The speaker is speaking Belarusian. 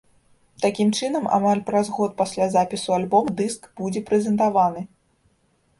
Такім чынам, амаль праз год пасля запісу альбома дыск будзе прэзентаваны.